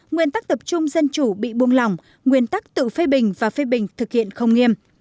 nguyên tắc tập trung dân chủ bị buông lỏng nguyên tắc tự phê bình và phê bình thực hiện không nghiêm